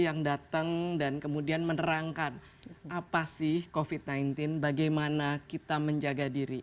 yang datang dan kemudian menerangkan apa sih covid sembilan belas bagaimana kita menjaga diri